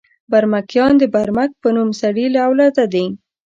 برمکیان د برمک په نوم سړي له اولاده دي.